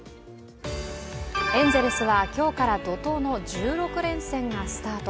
エンゼルスは今日から怒とうの１６連戦がスタート。